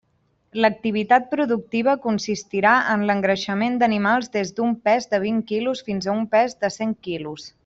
L'activitat productiva consistirà en l'engreixament d'animals des d'un pes de vint quilos fins a un pes de cent quilos.